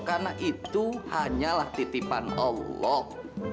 karena itu hanyalah titipan allah